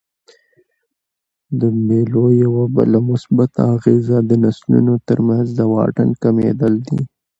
د مېلو یوه بله مثبته اغېزه د نسلونو ترمنځ د واټن کمېدل دي.